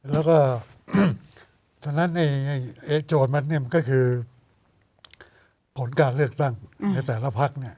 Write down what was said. แล้วก็ฉะนั้นเอกโจทย์มันก็คือผลการเลือกตั้งในแต่ละภักดิ์